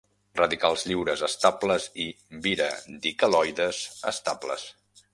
Radicals lliures estables i biradicaloides estables.